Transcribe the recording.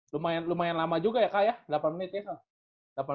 lumayan lumayan lama juga ya kak ya delapan menit ya